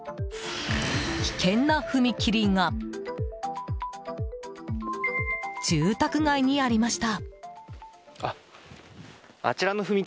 危険な踏切が住宅街にありました。